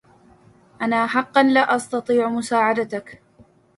أنا حقا لا أستطيع مساعدتك.